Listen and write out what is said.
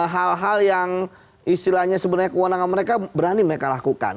hal hal yang istilahnya sebenarnya kewenangan mereka berani mereka lakukan